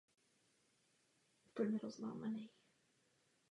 Dlouhodobě spolupracoval s nakladatelstvím Československý spisovatel.